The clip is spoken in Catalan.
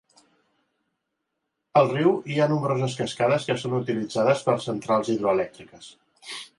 El riu hi ha nombroses cascades que són utilitzades per centrals hidroelèctriques.